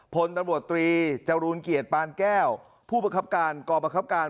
พลตำรวจตรีจรูลเกียรติปานแก้วผู้ประคับการกรประคับการ